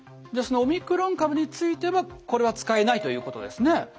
じゃそのオミクロン株についてはこれは使えないということですね。